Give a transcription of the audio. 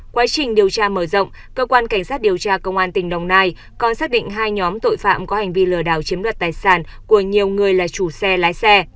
quá trình điều tra mở rộng cơ quan cảnh sát điều tra công an tỉnh đồng nai còn xác định hai nhóm tội phạm có hành vi lừa đảo chiếm đoạt tài sản của nhiều người là chủ xe lái xe